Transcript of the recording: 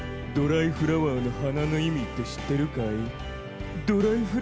ドライフラワーの花の意味って知ってるかい？」